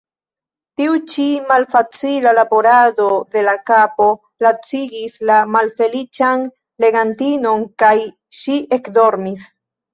Tiu ĉi malfacila laborado de la kapo lacigis la malfeliĉan legantinon, kaj ŝi ekdormis.